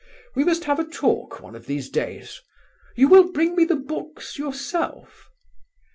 We must have a talk one of these days. You will bring me the books yourself?"